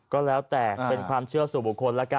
ก็แล้วแต่เป็นความเชื่อสู่บุคคลแล้วกัน